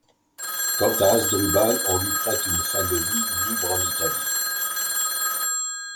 Quant à Hasdrubal, on lui prête une fin de vie libre en Italie.